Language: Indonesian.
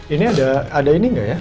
ini ada ini nggak ya